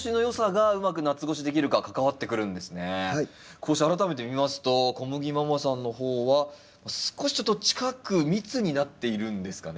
こうして改めて見ますとこむぎママさんの方は少しちょっと近く密になっているんですかね？